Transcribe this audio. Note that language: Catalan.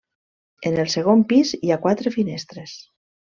En el segon pis hi ha quatre finestres.